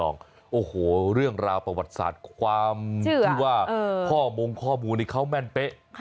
โอ้โหเรื่องราวประวัติศาสตร์ความที่ว่าข้อมงข้อมูลนี้เขาแม่นเป๊ะ